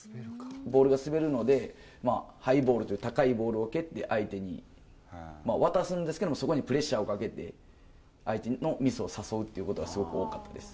ボールが滑るので、ハイボールという高いボールを蹴って、相手に、渡すんですけど、そこにプレッシャーをかけて、相手のミスを誘うってことが、すごく多かったです。